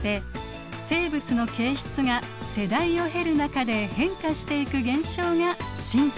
生物の形質が世代を経る中で変化していく現象が進化です。